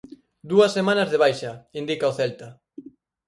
Dúas semanas de baixa, indica o Celta.